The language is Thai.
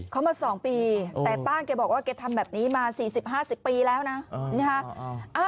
เคาะมาสองปีแต่ป้าเกี่ยวกับเธอทำแบบนี้มา๔๐๕๐ปีแล้วนะ